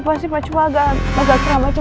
gak apa apa sih pak cuma